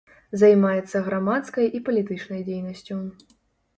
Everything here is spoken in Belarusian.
Займаецца грамадскай і палітычнай дзейнасцю.